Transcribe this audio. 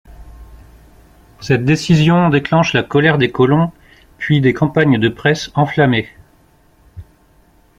Cette décision déclenche la colère des colons, puis des campagnes de presse enflammées.